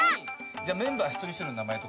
「メンバー一人一人の名前とか」